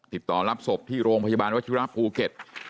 ติดต่อรับศพที่โรงพยาบาลวัชิระภูเก็ต